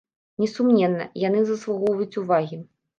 Несумненна, яны заслугоўваюць увагі.